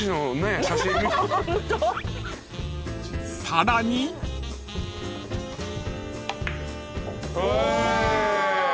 ［さらに］お。